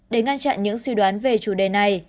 để ngăn chặn những suy đoán về chủ đề này